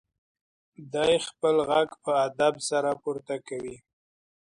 دی خپل غږ په ادب سره پورته کوي.